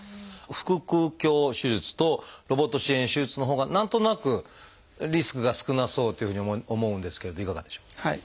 腹腔鏡手術とロボット支援手術のほうが何となくリスクが少なそうというふうに思うんですけれどいかがでしょう？